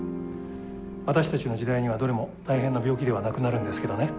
私たちの時代にはどれも大変な病気ではなくなるんですけどね。